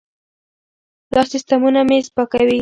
دا سیستمونه مېز پاکوي.